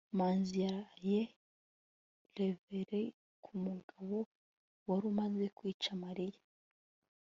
manzi yarashe reververi ku mugabo wari umaze kwica mariya